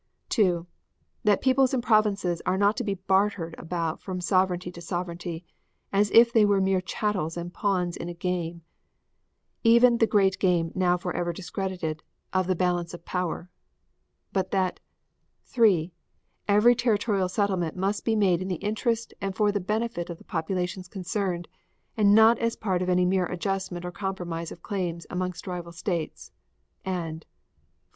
2. That peoples and provinces are not to be bartered about from sovereignty to sovereignty as if they were mere chattels and pawns in a game, even the great game now forever discredited, of the balance of power; but that 3: Every territorial settlement must be made in the interest and for the benefit of the populations concerned, and not as part of any mere adjustment or compromise of claims amongst rival states; and, 4.